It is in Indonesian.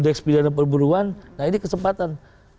di ekspedisi penyelamatan perburuan nah ini kesempatan